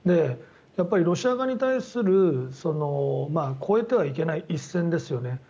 やっぱりロシア側に対する超えてはいけない一線ですね。